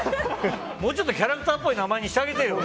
もうちょっとキャラクターっぽい名前にしてあげてよ。